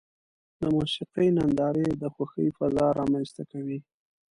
د موسیقۍ نندارې د خوښۍ فضا رامنځته کوي.